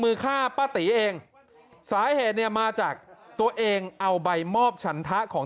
มือฆ่าป้าตีเองสาเหตุเนี่ยมาจากตัวเองเอาใบมอบฉันทะของ